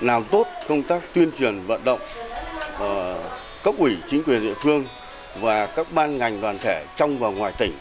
làm tốt công tác tuyên truyền vận động cấp ủy chính quyền địa phương và các ban ngành đoàn thể trong và ngoài tỉnh